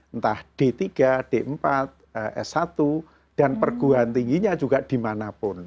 entah d tiga d empat s satu dan perguruan tingginya juga dimanapun